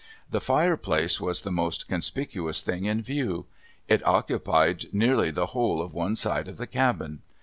The fireplace was the most conspicuous thing in view. It occupied nearly the whole of one side of the cabin.